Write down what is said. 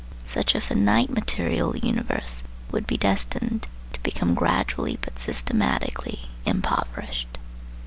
Such a finite material universe would be destined to become gradually but systematically impoverished.